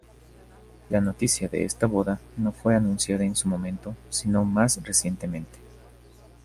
La noticia de esta boda no fue anunciada en su momento sino más recientemente.